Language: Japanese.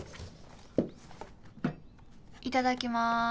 いただきます。